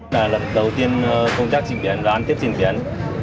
đây là lần đầu tiên công tác trên biển và an tiếp trên biển